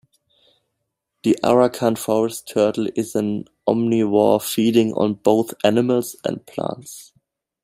The Arakan forest turtle is an omnivore, feeding on both animals and plants.